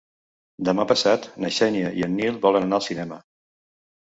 Demà passat na Xènia i en Nil volen anar al cinema.